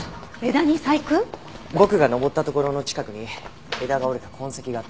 僕が登ったところの近くに枝が折れた痕跡があったんです。